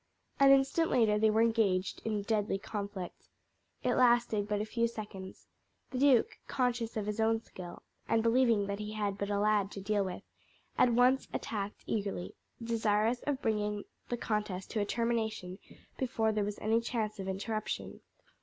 An instant later they were engaged in deadly conflict. It lasted but a few seconds. The duke, conscious of his own skill, and believing that he had but a lad to deal with, at once attacked eagerly, desirous of bringing the contest to a termination before there was any chance of interruption.